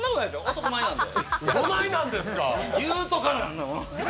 男前なんで。